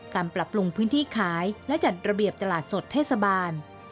ปรับปรุงพื้นที่ขายและจัดระเบียบตลาดสดเทศบาล